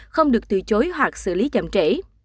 không được từ chối hoặc xử lý chậm trễ